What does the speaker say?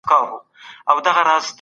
ايډيالوژي د سياست نه بېلېدونکې برخه ده.